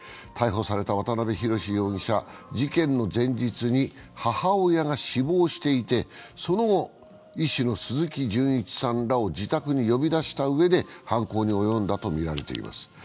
逮捕された渡辺宏容疑者、事件の前日に母親が死亡していてその後、医師の鈴木純一さんらを自宅に呼び出したうえで、犯行に及んだとみられています。